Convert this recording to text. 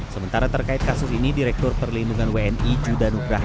sementara terkait kasus ini direktur perlindungan wni juda nugraha